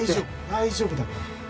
大丈夫だから。